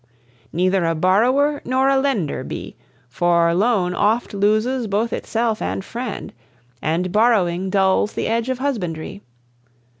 Neither a borrower nor a lender be; For loan oft loses both itself and friend, And borrowing dulls the edge of husbandry.